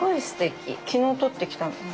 昨日とってきたの。